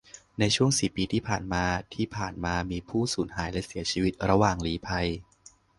ในช่วงสี่ปีที่ผ่านมา ที่ผ่านมามีผู้สูญหายและเสียชีวิตระหว่างลี้ภัย